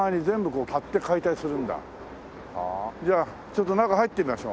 じゃあちょっと中入ってみましょう。